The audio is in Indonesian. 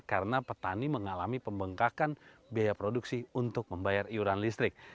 karena petani mengalami pembengkakan biaya produksi untuk membayar iuran listrik